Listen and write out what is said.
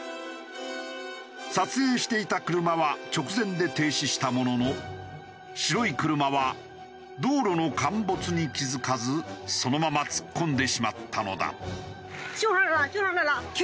撮影していた車は直前で停止したものの白い車は道路の陥没に気付かずそのまま突っ込んでしまったのだ。